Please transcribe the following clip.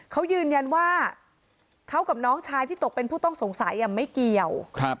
เขายืนยันว่าเขากับน้องชายที่ตกเป็นผู้ต้องสงสัยไม่เกี่ยว